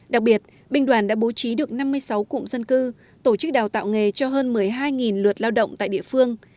đặc biệt binh đoàn đã bố trí được năm mươi sáu cụm dân cư tổ chức đào tạo nghề cho hơn một mươi hai lượt lao động tại địa phương